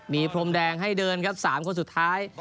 มีพรมแดงให้เดินครับ๓คนสุดท้าย